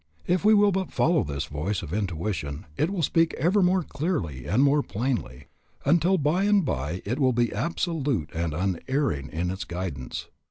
If we will but follow this voice of intuition, it will speak ever more clearly and more plainly, until by and by it will be absolute and unerring in its guidance.